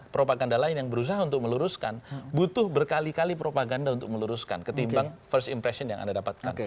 propaganda lain yang berusaha untuk meluruskan butuh berkali kali propaganda untuk meluruskan ketimbang first impression yang anda dapatkan